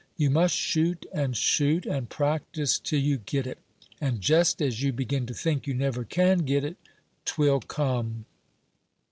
You must shoot, and shoot, and practise till you get it; and jest as you begin to think you never can get it, 'twill come.